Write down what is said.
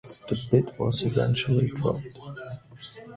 The bid was eventually dropped.